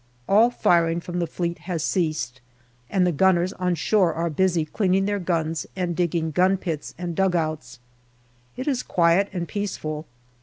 All firing from the Fleet has ceased, and the gunners on shore are busy cleaning their guns and digging gun pits and dugouts. It is quiet and peaceful.